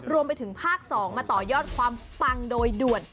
รวมไปถึงภาค๒มาต่อยอดความปังโดยด่วน